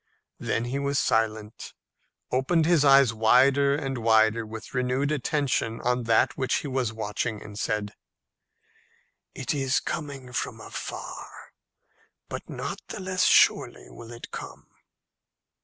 Then he was silent, opened his eyes wider and wider with renewed attention on that which he was watching, and said, "It is coming from afar, but not the less surely will it come."